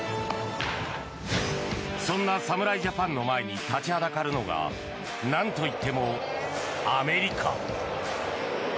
そんな侍ジャパンの前に立ちはだかるのが何といってもアメリカ。